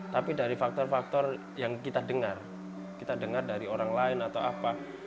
tapi dari faktor faktor yang kita dengar kita dengar dari orang lain atau apa